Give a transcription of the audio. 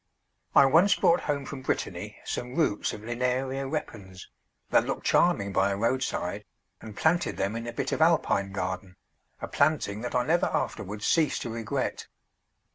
I once brought home from Brittany some roots of Linaria repens, that looked charming by a roadside, and planted them in a bit of Alpine garden, a planting that I never afterwards ceased to regret.